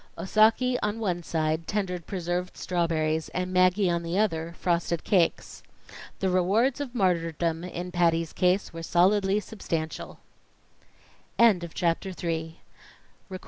Osaki on one side, tendered preserved strawberries, and Maggie on the other, frosted cakes. The rewards of martyrdom, in Patty's case, were solidly substantial. IV The Third Man from the End "Oh, Patty!